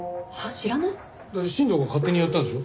新藤が勝手にやったんでしょ？